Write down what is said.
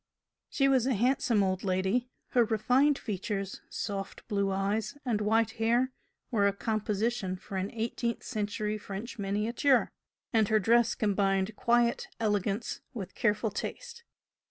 She was a handsome old lady; her refined features, soft blue eyes and white hair were a "composition" for an eighteenth century French miniature, and her dress combined quiet elegance with careful taste.